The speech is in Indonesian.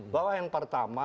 bahwa yang pertama